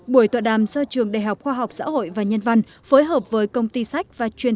buổi tọa đàm do trường đại học khoa học xã hội và nhân văn phối hợp với công ty sách và truyền